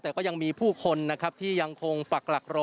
แต่ก็ยังมีผู้คนนะครับที่ยังคงปักหลักรอ